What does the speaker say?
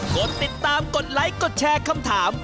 กดติดตามกดไลค์กดแชร์คำถาม